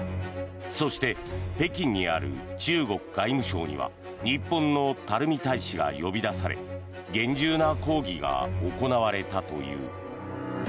そして北京にある中国外務省には日本の垂大使が呼び出され厳重な抗議が行われたという。